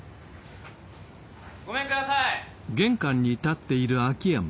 ごめんください！